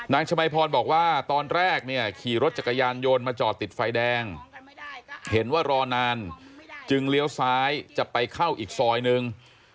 ชมัยพรบอกว่าตอนแรกเนี่ยขี่รถจักรยานยนต์มาจอดติดไฟแดงเห็นว่ารอนานจึงเลี้ยวซ้ายจะไปเข้าอีกซอยนึง